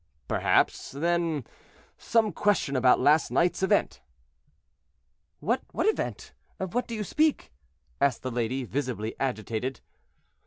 "Perhaps, then, some question about last night's event." "What event? of what do you speak?" asked the lady, visibly agitated.